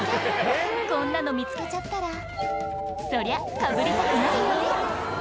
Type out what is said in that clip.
こんなの見つけちゃったらそりゃかぶりたくなるよね